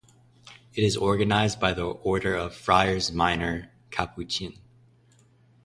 It is organized by the Order of Friars Minor Capuchin.